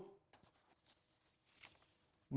มีข้อเสนอไปถึงพลเอกประยุทธ์๖ข้อ